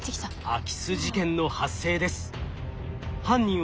空き巣事件の発生です。